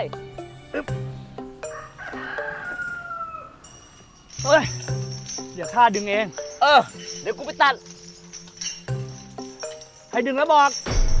เฮ้ยอย่าฆ่าดึงเองเออเดี๋ยวกูไปตัดให้ดึงแล้วบอก